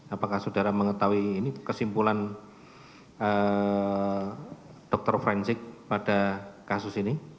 apakah saudara mengetahui ini kesimpulan dr forensik pada kasus ini